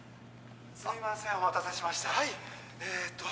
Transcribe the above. すいませんお待たせしましたはいえっと